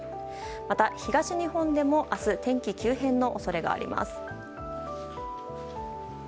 また東日本でも明日、天気急変の恐れがあります。